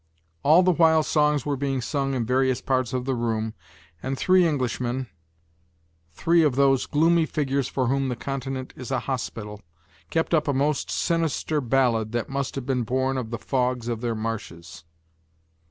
All the while songs were being sung in various parts of the room, and three Englishmen, three of those gloomy figures for whom the continent is a hospital, kept up a most sinister ballad that must have been born of the fogs of their marshes.